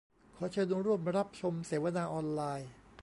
ขอเชิญร่วมรับชมเสวนาออนไลน์